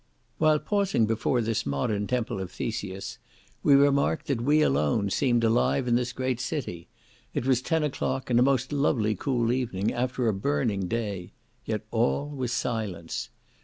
While pausing before this modern temple of Theseus, we remarked that we alone seemed alive in this great city; it was ten o'clock, and a most lovely cool evening, after a burning day, yet all was silence.